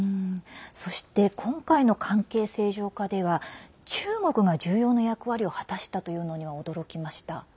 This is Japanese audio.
そして今回の関係正常化では中国が重要な役割を果たしたというのにも驚きました。